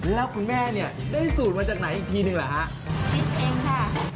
แล้วคุณแม่เนี่ยได้สูตรมาจากไหนอีกทีหนึ่งหรือครับ